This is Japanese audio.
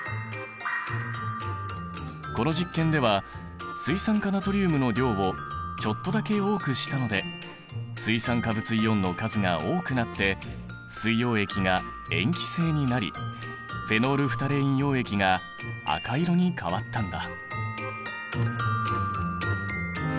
この実験では水酸化ナトリウムの量をちょっとだけ多くしたので水酸化物イオンの数が多くなって水溶液が塩基性になりフェノールフタレイン溶液が赤色に変わったんだ。